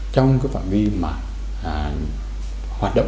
trong cái phạm vi hoạt động